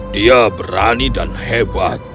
dia berani dan hebat